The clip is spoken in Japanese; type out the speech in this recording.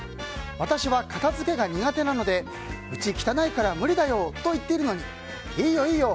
私は片付けが苦手なのでうち、汚いから無理だよと言っているのに、いいよ、いいよ